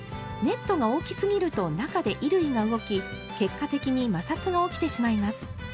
ネットが大きすぎると中で衣類が動き結果的に摩擦が起きてしまいます。